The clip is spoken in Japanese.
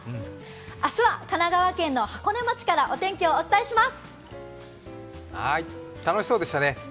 明日は神奈川県の箱根町からお天気お伝えします。